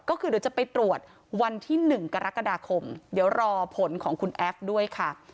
ก็คือเดี๋ยวจะไปตรวจวันที่๑กรกฎาคมเดี๋ยวรอผลของคุณแอฟด้วยค่ะ